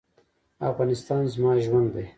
افغانستان زما ژوند دی